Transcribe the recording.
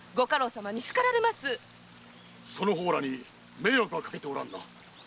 その方らに迷惑はかけておらぬな？